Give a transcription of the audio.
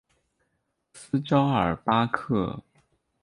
斯绍尔巴克。